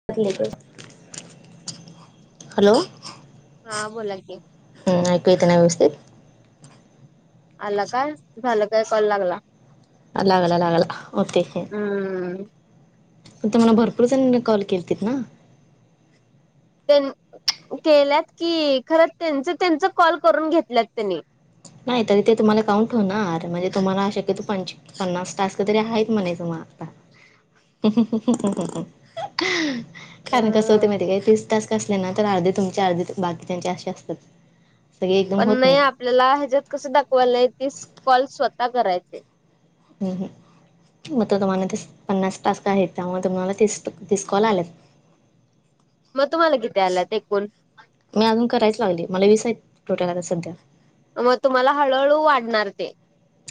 [unintelligible] Hello. हा बोला की. हम् ऐकू येत ना व्यवस्थित. आला का झालं काय कॉल लागला. लागला लागला ओके. हम्म. पण तुम्हाला भरपूर जणांनी कॉल केलतीत ना? त्यान केल्यात की खरं त्यांच त्यांच कॉल करून घेतल्यात त्यांनी. नाही तरी ते तुम्हाला काउंट होणार म्हणजे तुम्हाला अशे किती पोइटंची पन्नास टास्क तरी हायत म्हणे तु म आता. [unintelligible] अ कारण कसं होतेय माहितीे काय तीस टास्क असले ना तर अर्धे तुमचे अर्धे बाकीच्यांचे असे असत्यात. पण नाही आपल्याला ह्याज्यात कस दाखवायला तीस कॉल स्वतः करायचे हम् हम. मग तर तुम्हाला ते पन्नास टास्क आहेत त्यामुळे तुम्हाला तीस तीस कॉल आल्यात. [inaudible] मग तुम्हाला किती आल्यात एकूण मी अजून करायच लागले मला वीस आहेत टोटल आता सध्या मग तुम्हाला हळूहळू वाढणार ते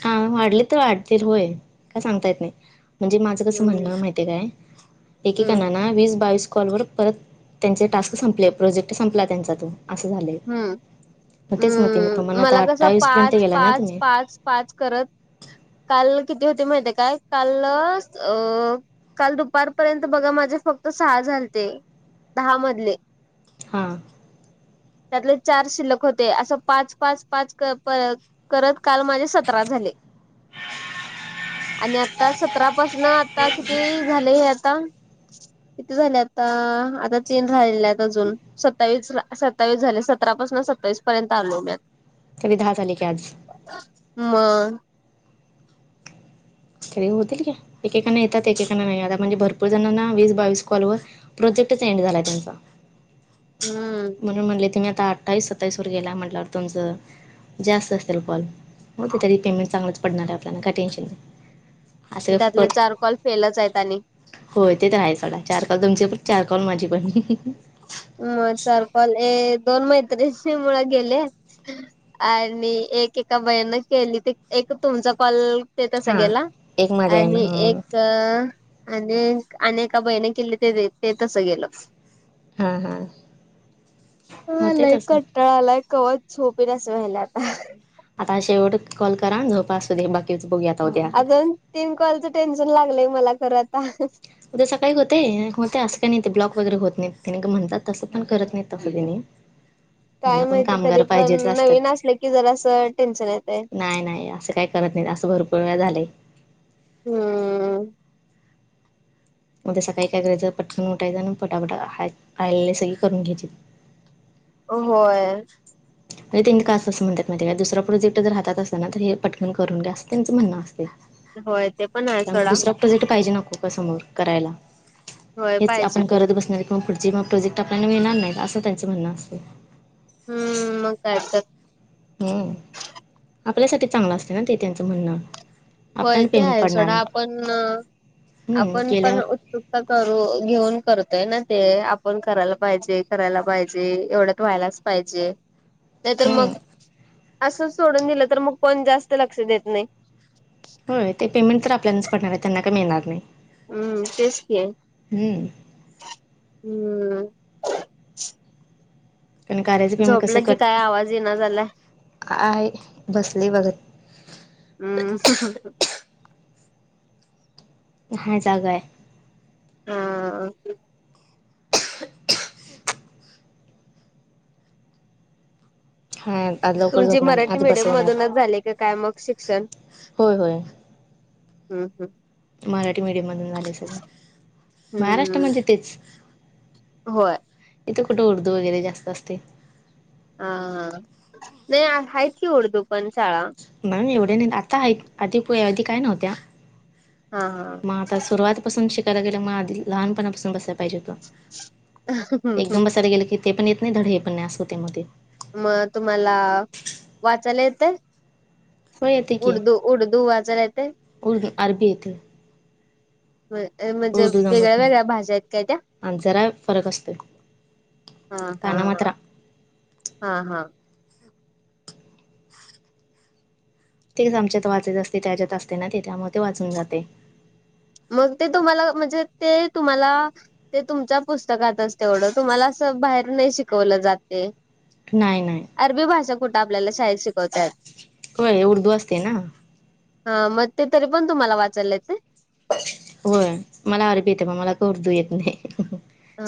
हा वाढली तर वाढतील होय का सांगता नाही. म्हणजे माझं कसं हम्म म्हणणं माहिती आहे काय हम्म एकेकांना ना वीस बावीस कॉलवर - परत त्यांचे टास्क संपले प्रोजेक्ट संपला त्यांचा तो. असं झालय. हम्म हम् आता मला कसं अठ्ठावीस पर्यंत पाच गेला ना पाच तुम्ही पाच पाच करत [inaudible] काल किती होते माहितीय काय काल अ काल दुपारपर्यंत बघा माझे फक्त सहा झालते दहा मधले. हां. त्यातले चार शिल्लक होते असं पाच पाच पाच क प करत काल माझे सतरा झाले. आणि आता सतरा पाासन आता किती झाले हे आता [inaudible] किती झाले आता आता तीन राहीलेले आहेत अजून सत्तावीस ला सत्तावीस झाले सतरा पाासन सत्तावीस पर्यंत आलोय मी आता. कधी दहा झाले की आज. म [unintelligible] तरी होतील का एकेकना येतात एकेकांना नाही आताात म्हणजे भरपूर जणांना वीस बावीस कॉलवरर [unintelligible] प्रोजेक्टच एंड झालाय त्यांचा [unintelligible] हम्म [unintelligible] म्हणून म्हले तमही आता अठ्ठास सत्तास वर गेला म्हटल्यावर तुमचं [unintelligible] जास्त असतीलल कॉल होते तरी पेमेंट चांगलंच पडणार आहे आपल्याला काय टेन्शन नाही [unintelligible] असं त्यातले कर चार कॉल फेलच आहेत आणि [unintelligible] होय तेच राहायचोडा चार काल तुमची पण चार काल माझी पण [unintelligible] मग चार पल ए दोन मैत्रि मुळ गेले [unintelligible] आणि एक एका बहिनं केली ते एक तुमचा पल [unintelligible] येत हा सगळळेला एक माझ्या आहे ना आणि एक ह [unintelligible] अ अनेका बहिणी केली ते ते तस गेलं [unintelligible] हा हा [unintelligible] होते हलाय तसं कट्टळा आलाय कवच झोपेल असं व्हायला आता [unintelligible] आताेवटे कॉल करा झोप असू दे बाकी [unintelligible] बघयाता्या [unintelligible] अजून तीन कॉलचं टेन्शन लागलंय मला खरं आता [unintelligible] उद्या सकाळी होते होते असं काही नाही ते ब्लॉक वगैरे होत नाहीने का म्हणतात तसं पण करत नाही तसंने [unintelligible] ह [unintelligible] काय त्यांना पण माहिती तरी कामगार पण पाहिजेच नवीन असतात असलं की जरा असं टेन्शन येतय नाही नाही असं काय करत नाही असं भरपूर वेळा झालंय [unintelligible] हम्म [unintelligible] म्या सकाळी काय करायचं पटकन उठायचं आणि फटाफटाले सगळी करून घ्यायची [unintelligible] होय [unintelligible] [unintelligible] म्हणजे त्यांनी कां असं म्हणतात मा दुसरा प्रजेक्टरात असत ना तर हे पटकन करून घ्या असं त्यांचं म्हणं असं होय ते पण आहे सोडा [unintelligible] प्रेक्ट पाहिजे नको समोर करायला होय हेच पाहिजे आपण ते करत बसणार [unintelligible] मग पुढचे मग प्रोजेक्ट आपल्याला मिळणार नाही असं त्यांं म्हणणं असतं [unintelligible] हम्म मग कायतत [unintelligible] हम आपल्यासाठी चांगला असते ना ते त्यांचं म्हणणं [unintelligible] होय आपल्याला ते पेमेंट आहे पडणार सडा आपण हम्म आपण पण केल्यावर [unintelligible] चुका करू घेऊन करतोय ना ते आपण करायला पाहिजे करायला पाहिजे एवढंच व्हायलाच पाहिजे [unintelligible] ह [unintelligible] नाही तरर मग असं सोडून दिलं तर मग कोण जास्त लक्ष देत नाही [unintelligible] होय ते पेमेंट तर आपल्यालाच पडणार आहे त्यांना का मिळणार नाही [unintelligible] हम्म तेच क हम्म हम्म [unintelligible] पण करायचं पेमेंट कसं झोपलं की कट काय आवाज येना झालाय आहे बसले बघ [unintelligible] हम् [unintelligible] हा जागा आहे [unintelligible] हा [unintelligible] हा [unintelligible] तुमची झोपणार नाही, मराठी आज मिीडियम बसवणार मधूनच झाले का काय मग शिक्षण होय होय. [unintelligible] हम् हम [unintelligible] मराठी मीडियम मधून झाले सगळ हम्म महाराष्ट्रामध्ये तेच [unintelligible] होय [unintelligible] इथं कुठे उर्दू वगैरे जास्त असते [unintelligible] हाा नाही हायची उर्दू पण शाळा [unintelligible] मॅम एवढे नाही आता आधी आधी काय नव्हत्या [unintelligible] हा हा मग आता सुरवातपासून शिकायला गेलं मग आधी लहपणापासून बसाय पाहिजे एकदम बसायला गेलं की ते पण येत नाही धड हे पण नाही अस होतय म ते. म तुम्हाला वाचायला येत. हो येते की उडदु उडदु वाचायला येतय. उर्दू नाय अरबीे हाय ते. व्हय म्हणजे उर्दू वेगळ्या जमत नाही वेगळ्या भाशा आहेत काय त्या? आणि जरा फरक असतो हा हा काना ह मात्रा हा हा तेच आमच्यात वाचायत असते त्याच्यात असते ना ते त्यामुळे ते वाचून जातय. मग ते तुम्हाला म्हणजे ते तुम्हाला ते तुमच्या पुस्तकातच तेवढं तुम्हाला असं बाहेर नाही शिकवलं जात ते. नाय नाय. अरबी भाषा कुठं आपल्याला शाळेत शिकवत्यात. होय उर्दू असतय ना. हा मग ते तरी पण तुम्हाला वाचालं येतंय. होय मला अरबी येते पण मला क उर्दू येत नाय.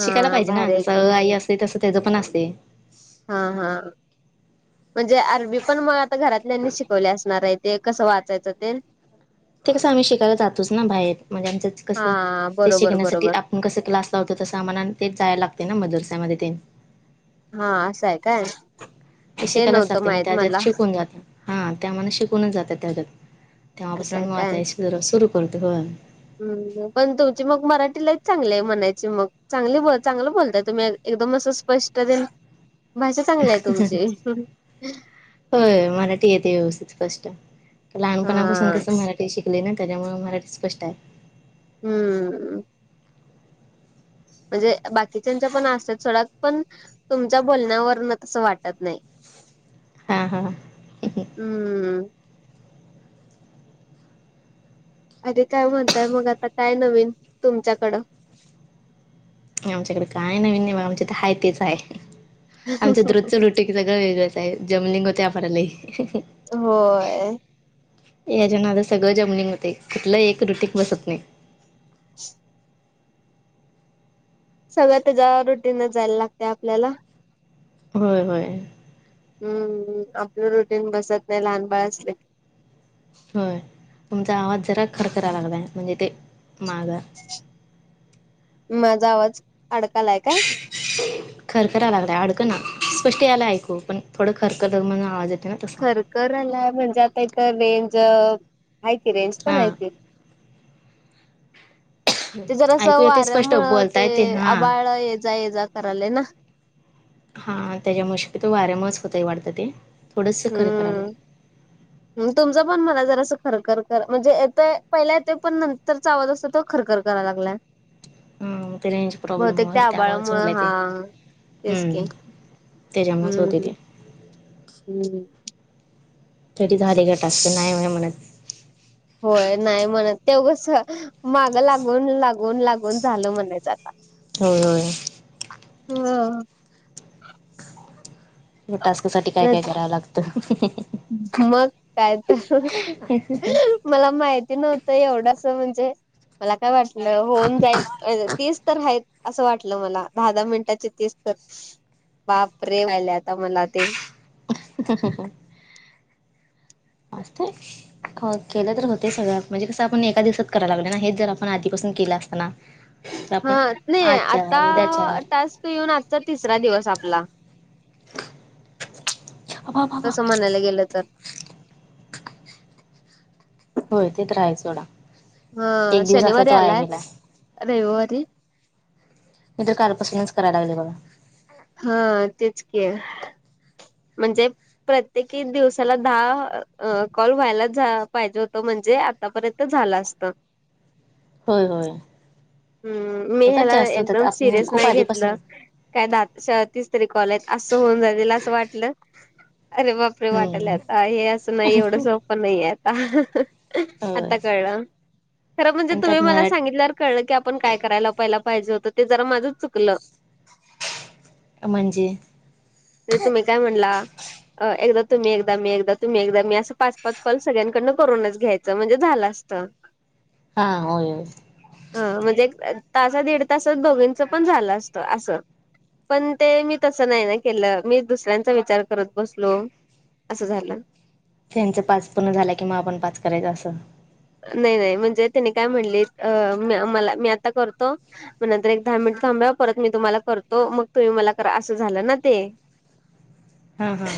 शिकायला पाहिजे ना भारी आहे जसं की अ आ ई असतय तसं त्याज पण असतय. हा हा म्हणजे अरबी पण मग आता घरातल्यानी शिकवले असणार हायत. ते कसं वाचायचं ते. ते कसं आम्ही शिकायला जातोच ना बाहेर म्हणजे आमचं कसं हा ते बरोबर शिकण्यासाठी बरोबर आप पूण कसं क्लास लावतो तस आम्हाला तेच जायला लागतय ना मदरश्या मध्ये तेन. हा असं हाय काय. ते हे शिकायला नव्हतं जाते मग माहित त्याच्यात मला शिकून जाते हा त्या मना शिकूनच जातात त्याजात. तेव्हा पासून असं आहे आम्ही वाचाय सुरु करते होय. हम् पण तुमची मग मराठी लयच चांगली हाय म्हणायची मग चांगल ब चांगलं बोलताय तुम्ही एकदम असं स्पष्ट तेन भाषा चांगलि हाय तुमची हो मराठी येते व्यवस्थित फर्स्ट हा लहानपणापासून कस मराठी शिकले ना त्याच्यामुळे मराठी स्पष्ट हाय. हम्म. म्हणजे बाकीच्याच्या पण असत्यात सोडा पण तुमच्या बोलण्यावरण तसं वाटत नाय. हा हा. हम्म. अनी काय म्हणताय मग आता काय नवीन तुमच्याकडं. आमच्याकड काय नवीन नाय बगा आमच्यात हाय तेच हाय आमच्यात रोजच रुटिं ग हे सगळं वेगळंच हाय जमलिंग होतय आमला लय. होय. याच्या नादात सगळं जमनिंग होतय, कुठलं एक रुटीक बसत नाय. [inaudible] सगळ्या त्याच्या रुटीनच जायला लागते आपल्याला. होय होय. हम्म आपलं रुटीन बसत नाय लहान बाळ असल की. होय तुमचा आवाज जरा खरखरा लागलाय म्हणजे ते मागं. माझा आवाज अडकालाय काय. खरखरा लागलय अडकंना स्पष्ट यायलय ऐकू पण थोडं खरखर लग म्हण आवाज येत खरखरलाय म्हणजे आता इथं रेंज हाय की रेंज पण हाय हा की. ते जरास ऐकू येते स्पष्ट वाऱ्यामुळ बोलता ते येते हा आबाळ ये जा ये जा करालय ना. हा त्याजामुळ शक्यतो वाऱ्यामुळच होतय वाडतं ते थोडंस खरं खरा लय. तुमचा पण मला जरास खरखर कर म्हणजे येतोय पहिल्या येतोय पण नंतरचा आवाज अस तो. खर खर करा लागलाय.. ह. हम ते रेंज प्रॉब्लेम बहुतेक होल त्या त्यामुळेच आबाळामुळ होलाय ते हा तेच की हम्म त्याच्या््हाच होते हम्म ते. हम्म. तरी झाले गट असत नाही म्ह म्हणत. होय नाही म्हणत तेवढंस माग लागून लागून लागून झालं म्हणायचं आता. हो हो. हम. टास्क साठी काय काय करावं लागतं. मग काय तर. मला माहिती नव्हतं एवढंस म्हणजे. मला काय वाटलं होऊन जायला तेीच तर आहेत. असं वाटलं मला दहा दहा मिनिटाचे तेीस तर बापरे वा्हाहिले आता मला ते. [inaudible] असस्ते. हो केलं तर होते सगळ्या म्हणजे कसं आपण एका दिवसात करायला लागल ना हेच जर आपण आधीपासून केलं असताना हा नाही आता उद्याच्यार टास्क येऊन आजचा तिसरा दिवस आपला. अबा अबा अबा कस म्हणायला गेलं तर. होय तेच राहायचोडा. हा शनिवारी आलाय रविवारी इतर कालपसन्च कराय लागले बघा हा तेच के. म्हणजे प्रत्येकी दिवसाला दहा कॉल व्हायला पाहिजे होत म्हणजे. आतापर्यंत झालं असत. होय होय हम्म मी होतात ह्याला जास्त होतात एकदम आपल्या सिरियस खूप नाही घेतलं आधीपासून काय द तीस तरी कॉलेज असं होऊन जातल असं वाटलं अरे बा वाटल हम्म आता हे असं नाही एवढं सोपं नाहीे आता होय आता कळलं खरं म्हणजे आणि तुम्ही त्यात मला मराठ सांगितल्यावर कळलं की आपण काय करायला पहिला पाहिजे होतं ते जरा माझंच चुकलं म्हणजे ते तुम्ही काय म्हणला अ एकदा तुम्ही एकदा मी एकदा तुम्ही एकदा मी असं पाच पाच कॉल सगळ्यांकडनं करूनच घ्यायचं म्हणजे झालं असतं हा हो हो ह म्हणजे तास दीड तासात बघीणीचं पण झालं असतं असं पण ते मी तसं नाही ना केलं मी दुसऱ्यां विचार करत बसलो असं झालं त्यांच पाच पूर्ण झाला कि म आपण पाच करायचं असं नाही नाही म्हणजे तिने काय म्हणले अ मला मी आता करतो मग नंतर एक दहा मिनिट थांबव परत मी तुम्हाला करतो मग तुम्ही मला करा असं झालं ना ते हा हा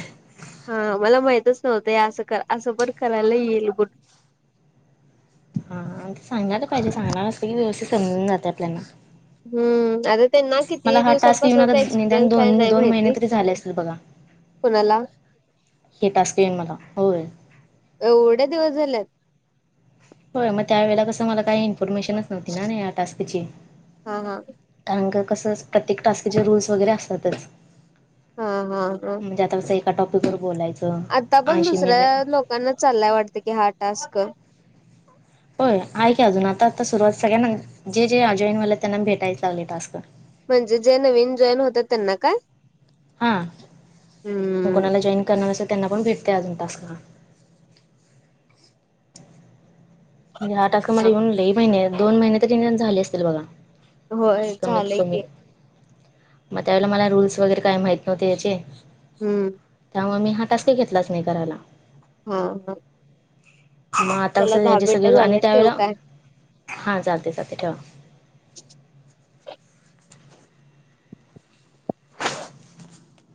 हा मला माहितच नव्हतं असं असं बण करायला येईल ब हा ते सांगणार पाहिजे सांगणार असत की व्यवस्थित समजून जाते आपल्याला हम्म आता त्यांना मला किती हा टास्क येऊन आता दिवसांपासूनचा निदान एक्सपिरियन्स आहे दोन नाही दोन महिने माहिती तरी झाले असतील बघा कोणाला हे टा स्क्रीन मला होय एवढे दिवस झालेत होय मग त्यावेेळेला कसं मला काही इन्फॉर्मेशनच नव्हती ना या टास्कची हा हा कारग कसं प्रत्येक टास्कीचे रूल्स वगैरे असतातच हा हा काय म्हणजे आता अस एका टॉपिकवर बोलायंचं. आता पण दुसऱ्या लोकांना चाललाय वाटत की हा टास्क. होय आहे की अजून आता आता सुरुवात सगळ्यांना जे जे अ जॉईनवालेयेत त्यांना भेटायच लागले टास्क. म्हणजे जे नवीन जॉईन होतात त्यांना काय? हा हम्म. कोणाला म जॉईन करणार असल त्यांना पण भेटतय अजून टास्क. म्हणजे हा टास्क मला येऊन लय महिने दोन महिने तर निदान झाले असतील बघा. होय कमीत झालंय कमी की. म त्यावेळेला मला रूल्स वगैरे काय माहीत नव्हते याचे हूं त्यामुळ मी हा टास्क घेतलाच नाय करायला. हा काय म आता कस याची सगळी मिनिटं रूळ आणि झालं ठेवू त्यावेळे काय? हा चालते चालते ठेवा. [inaudible]